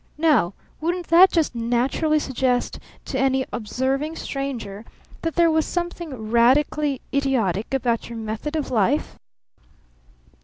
Now wouldn't that just naturally suggest to any observing stranger that there was something radically idiotic about your method of life?"